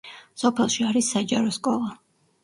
სოფელში არის საჯარო სკოლა.